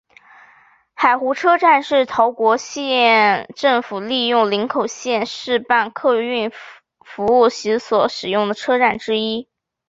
海湖车站是桃园县政府利用林口线试办客运服务时所使用的车站之一。